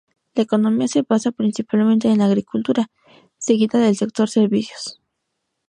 La economía se basa principalmente en la agricultura, seguida del sector servicios.